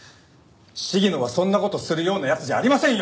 鴫野はそんな事するような奴じゃありませんよ！